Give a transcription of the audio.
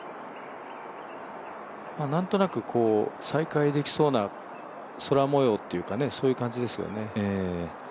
なんとなく再開できそうな空もようというかそういう感じですよね。